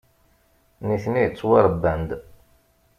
Nitni ttwaṛebban-d.